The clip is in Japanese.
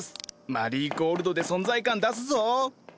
マリーゴールドで存在感出すぞ！